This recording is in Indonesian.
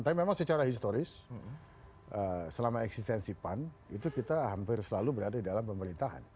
tapi memang secara historis selama eksistensi pan itu kita hampir selalu berada di dalam pemerintahan